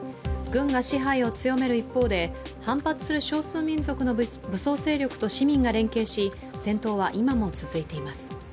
軍が支配を強める一方で、反発する少数民族の武装勢力と市民が連携し戦闘は今も続いています。